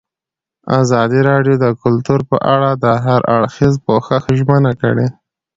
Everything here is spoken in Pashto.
ازادي راډیو د کلتور په اړه د هر اړخیز پوښښ ژمنه کړې.